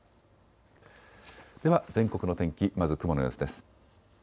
では全国の天気、まず雲の様子です。